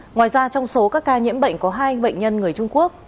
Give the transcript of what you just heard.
ngoài ra trong số các ca nhiễm bệnh có hai bệnh nhân người trung quốc